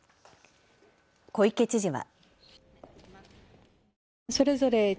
小池知事は。